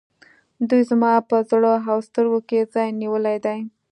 دوی زما په زړه او سترګو کې ځای نیولی دی.